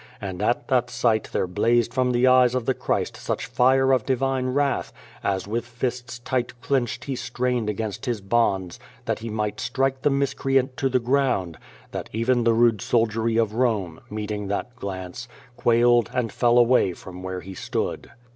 And at that sight there blazed from the eyes of the Christ such fire of divine wrath as with fists tight clenched He strained against His bonds that He might strike the miscreant to the ground that even the rude soldiery of Rome, meeting that glance, quailed and fell away from where He stood.